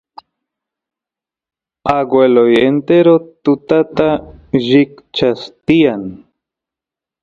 agueloy entero tutata llikchas tiyan